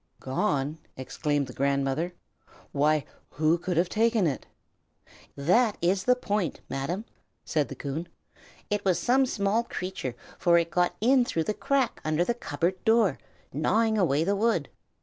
"Gone!" exclaimed the grandmother; "why, who can have taken it?" "That is the point, Madam!" said Coon. "It was some small creature, for it got in through the crack under the cupboard door, gnawing away the wood.